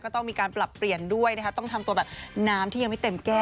ต้องมีการปรับเปลี่ยนด้วยนะคะต้องทำตัวแบบน้ำที่ยังไม่เต็มแก้ว